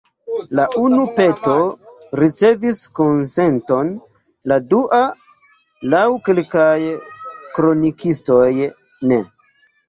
La unu peto ricevis konsenton, la dua, laŭ kelkaj kronikistoj, ne.